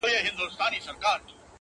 • ما خو گيله ترې په دې په ټپه کي وکړه،